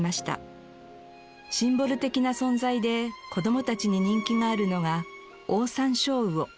シンボル的な存在で子供たちに人気があるのがオオサンショウウオ。